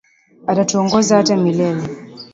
Atatuongoza hata milele.